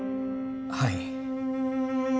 はい。